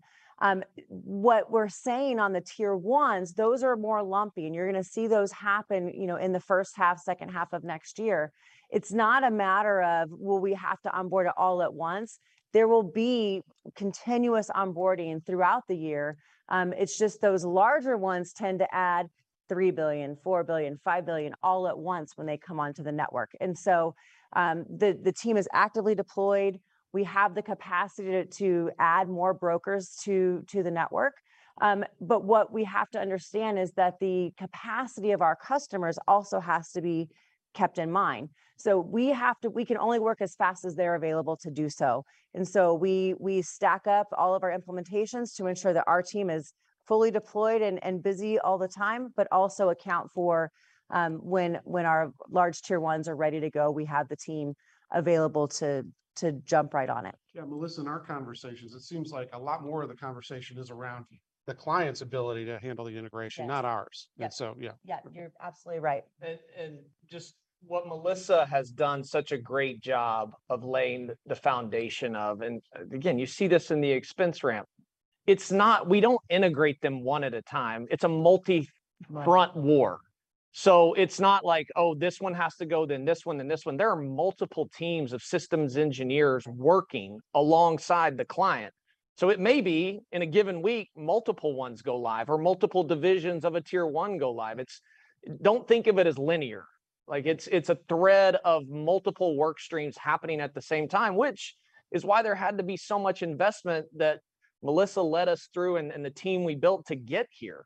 What we're saying on the tier ones, those are more lumpy, and you're gonna see those happen, you know, in the first half, second half of next year. It's not a matter of will we have to onboard it all at once. There will be continuous onboarding throughout the year. It's just those larger ones tend to add $3 billion, $4 billion, $5 billion all at once when they come onto the network. The team is actively deployed. We have the capacity to add more brokers to the network. But what we have to understand is that the capacity of our customers also has to be kept in mind. We can only work as fast as they're available to do so. We stack up all of our implementations to ensure that our team is fully deployed and busy all the time, but also account for when our large tier ones are ready to go, we have the team available to jump right on it. Yeah. Melissa, in our conversations, it seems like a lot more of the conversation is around the client's ability to handle the integration. Yes not ours. Yep. Yeah. Yeah. You're absolutely right. Just what Melissa has done such a great job of laying the foundation of, and again, you see this in the expense ramp. It's not. We don't integrate them one at a time. It's a multi-front war. It's not like, oh, this one has to go, then this one, then this one. There are multiple teams of systems engineers working alongside the client. It may be in a given week, multiple ones go live or multiple divisions of a tier one go live. It's. Don't think of it as linear. Like, it's a thread of multiple work streams happening at the same time, which is why there had to be so much investment that Melissa led us through and the team we built to get here.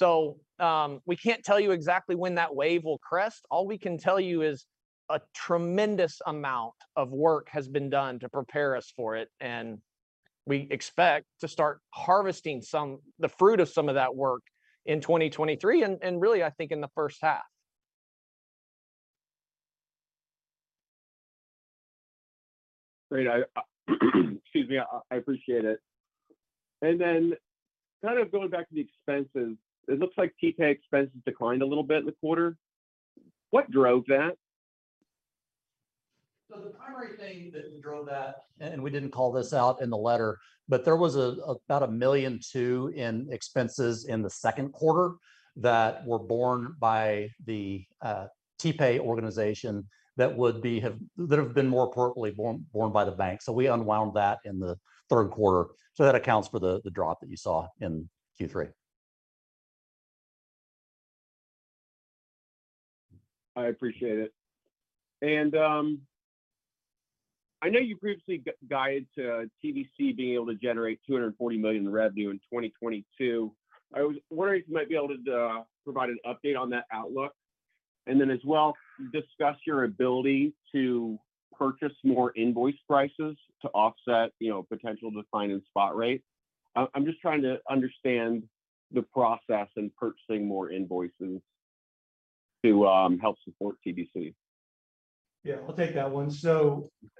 We can't tell you exactly when that wave will crest. All we can tell you is a tremendous amount of work has been done to prepare us for it, and we expect to start harvesting some the fruit of some of that work in 2023, and really, I think in the first half. Great. I, excuse me, I appreciate it. Kind of going back to the expenses, it looks like TPay expenses declined a little bit in the quarter. What drove that? The primary thing that drove that, and we didn't call this out in the letter, but there was about $1.2 million in expenses in the Q2 that were borne by the TriumphPay organization that have been more appropriately borne by the bank. We unwound that in the Q3. That accounts for the drop that you saw in Q3. I appreciate it. I know you previously guided to TBC being able to generate $240 million revenue in 2022. I was wondering if you might be able to provide an update on that outlook. As well, discuss your ability to purchase more invoices to offset, you know, potential decline in spot rate. I'm just trying to understand the process in purchasing more invoices to help support TBC. Yeah, I'll take that one.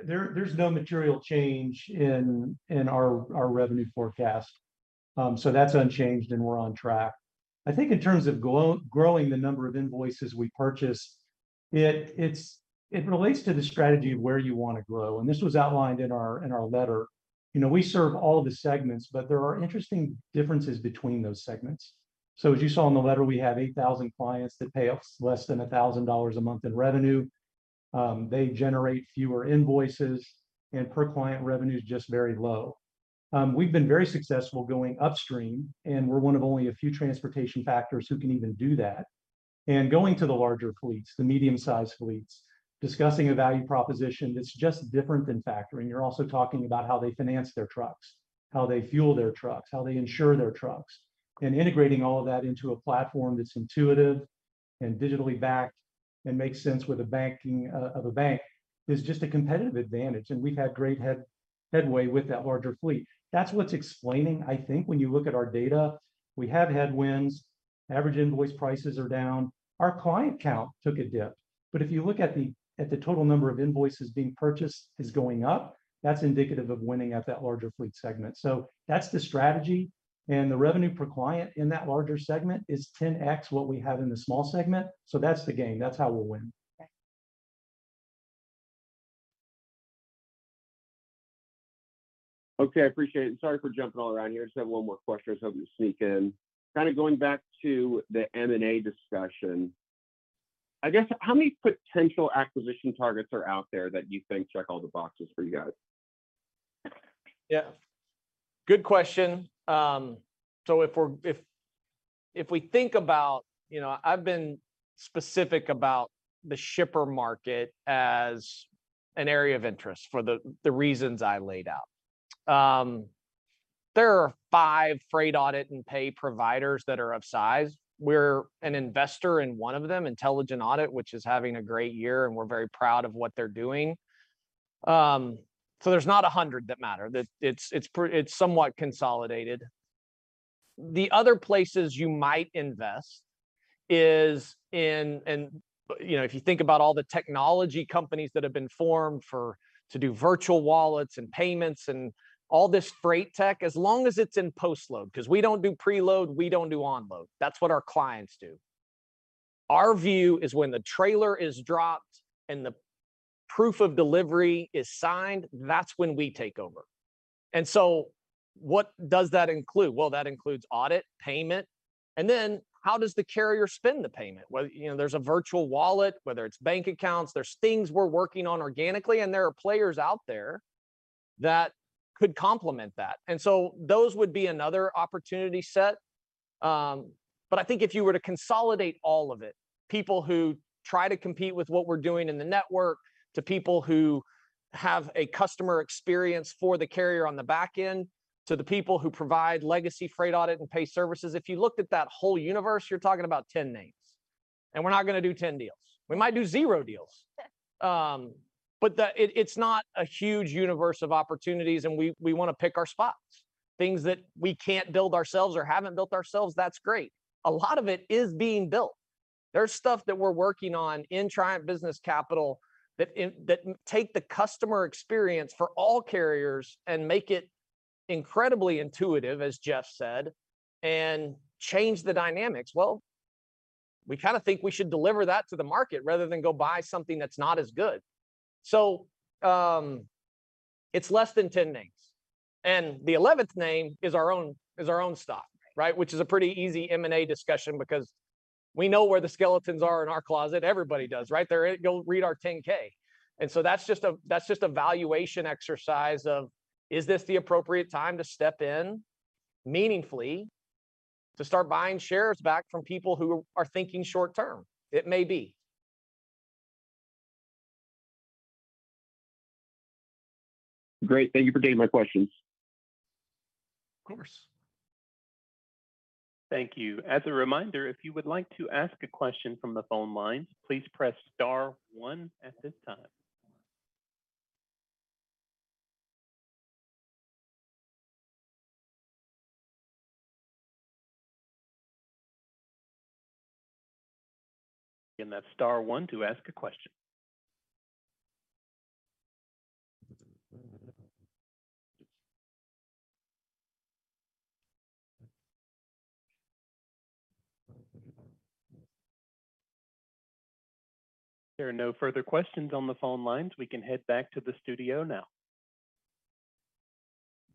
There's no material change in our revenue forecast. That's unchanged, and we're on track. I think in terms of growing the number of invoices we purchase, it relates to the strategy of where you wanna grow, and this was outlined in our letter. You know, we serve all of the segments, but there are interesting differences between those segments. As you saw in the letter, we have 8,000 clients that pay us less than $1,000 a month in revenue. They generate fewer invoices and per-client revenue is just very low. We've been very successful going upstream, and we're one of only a few transportation factors who can even do that. Going to the larger fleets, the medium-sized fleets, discussing a value proposition that's just different than factoring. You're also talking about how they finance their trucks, how they fuel their trucks, how they insure their trucks, and integrating all of that into a platform that's intuitive and digitally backed and makes sense with the banking of a bank is just a competitive advantage. We've had great headway with that larger fleet. That's what's explaining, I think, when you look at our data, we have headwinds. Average invoice prices are down. Our client count took a dip. If you look at the total number of invoices being purchased is going up, that's indicative of winning at that larger fleet segment. That's the strategy. The revenue per client in that larger segment is 10x what we have in the small segment. That's the game. That's how we'll win. Okay. I appreciate it. Sorry for jumping all around here. Just have one more question I was hoping to sneak in. Kinda going back to the M&A discussion. I guess, how many potential acquisition targets are out there that you think check all the boxes for you guys? Yeah. Good question. If we think about, you know, I've been specific about the shipper market as an area of interest for the reasons I laid out. There are five freight audit and pay providers that are of size. We're an investor in one of them, Intelligent Audit, which is having a great year, and we're very proud of what they're doing. There's not 100 that matter. It's somewhat consolidated. The other places you might invest is in, you know, if you think about all the technology companies that have been formed to do virtual wallets and payments and all this freight tech, as long as it's in post load, 'cause we don't do preload, we don't do onload. That's what our clients do. Our view is when the trailer is dropped and the proof of delivery is signed, that's when we take over. What does that include? Well, that includes audit, payment. How does the carrier spend the payment? Whether, you know, there's a virtual wallet, whether it's bank accounts, there's things we're working on organically, and there are players out there that could complement that. Those would be another opportunity set. I think if you were to consolidate all of it, people who try to compete with what we're doing in the network, to people who have a customer experience for the carrier on the back end, to the people who provide legacy freight audit and pay services, if you looked at that whole universe, you're talking about 10 names. We're not gonna do 10 deals. We might do zero deals. It's not a huge universe of opportunities, and we wanna pick our spots. Things that we can't build ourselves or haven't built ourselves, that's great. A lot of it is being built. There's stuff that we're working on in Triumph Business Capital that take the customer experience for all carriers and make it incredibly intuitive, as Geoff said, and change the dynamics. Well, we kinda think we should deliver that to the market rather than go buy something that's not as good. It's less than 10 names. The 11th name is our own stock, right? Which is a pretty easy M&A discussion because we know where the skeletons are in our closet. Everybody does, right? Go read our 10-K. That's just a valuation exercise of, is this the appropriate time to step in meaningfully to start buying shares back from people who are thinking short-term? It may be. Great. Thank you for taking my questions. Of course. Thank you. As a reminder, if you would like to ask a question from the phone lines, please press star one at this time. Again, that's star one to ask a question. If there are no further questions on the phone lines, we can head back to the studio now.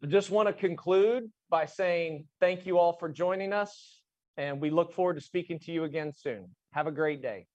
I just wanna conclude by saying thank you all for joining us, and we look forward to speaking to you again soon. Have a great day.